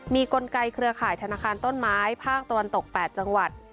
มีกลไกเครือข่ายธนาคารต้นไม้ภาคตะวันตก๘จังหวัด